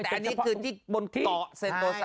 อ๋อแต่อันนี้คือที่บนเกาะเซโนซ่า